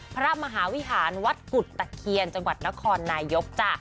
พระมหาวิหารวัดกุฎตะเคียนจังหวัดนครนายกจ้ะ